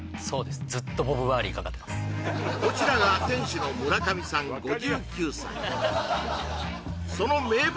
こちらが店主の村上さん５９歳その名物